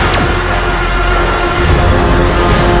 kami akan mengembalikan mereka